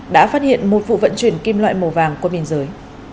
đã phát hiện một vụ vận chuyển kim loại màu vàng qua biên giới